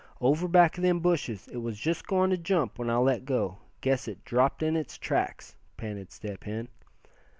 "Over back of them bushes. It was just going to jump when I let go. Guess it dropped in its tracks!" panted Step Hen.